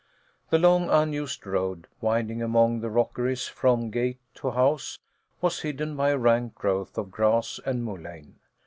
The long unused road, winding among the rockeries from gate to house, was hidden by a rank growth of grass and mullein.